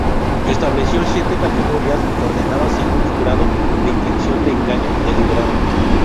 Estableció siete categorías ordenadas según su grado de intención de engaño deliberado.